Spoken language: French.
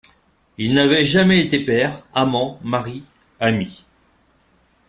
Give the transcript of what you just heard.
Il n’avait jamais été père, amant, mari, ami.